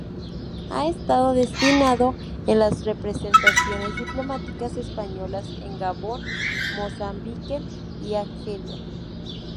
Ha estado destinado en las representaciones diplomáticas españolas en Gabón, Mozambique y Argelia.